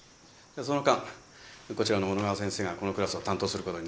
その間こちらの小野川先生がこのクラスを担当することになりました。